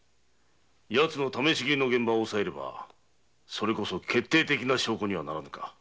奴の試し斬りの現場押さえればそれこそ決定的な証拠にはならぬか？